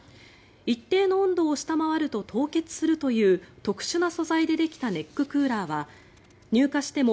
一定の温度を下回ると凍結するという特殊な素材でできたネッククーラーは入荷しても